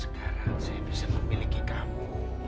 sekarang saya bisa memiliki kamu